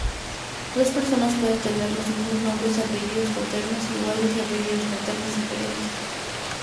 Dos personas pueden tener los mismos nombres, apellidos paternos iguales y apellidos maternos diferentes.